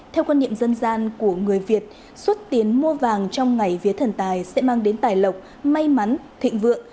theo quan niệm dân gian của người việt xuất tiến mua vàng trong ngày vía thần tài sẽ mang đến tài lộc may mắn thịnh vượng